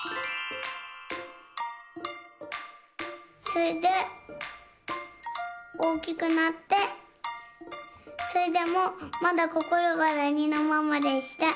それでおおきくなってそれでもまだこころがとりのままでした。